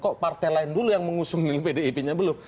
kok partai lain dulu yang mengusung pdib nya dulu